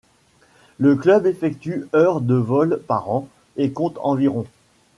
Le club effectue heures de vol par an et compte environ.